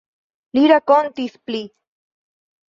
Li rakontis pli.